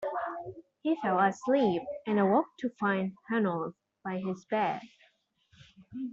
He fell asleep, and awoke to find Hanaud by his bed.